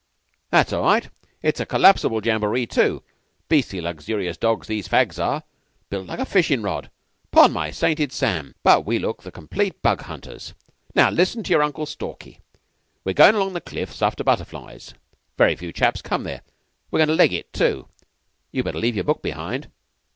"That's all right. It's a collapsible jamboree, too. Beastly luxurious dogs these fags are. Built like a fishin' rod. 'Pon my sainted Sam, but we look the complete Bug hunters! Now, listen to your Uncle Stalky! We're goin' along the cliffs after butterflies. Very few chaps come there. We're goin' to leg it, too. You'd better leave your book behind."